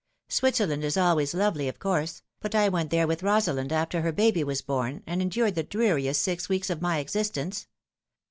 Switzerland is always lovely, of course ; but I went there with Rosalind after her baby was born, and endured the dreariest six weeks of my existence.